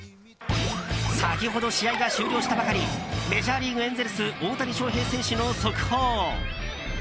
先ほど試合が終了したばかりメジャーリーグ、エンゼルス大谷翔平選手の速報。